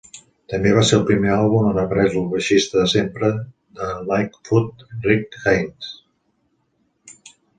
També va ser el primer àlbum on apareix el baixista de sempre de Lightfoot, Rick Haynes.